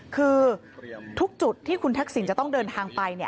คือทุกจุดที่คุณทักษิณจะต้องเดินทางไป